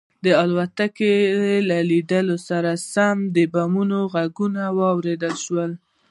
د الوتکو له لیدو سره سم د بمونو غږونه واورېدل شول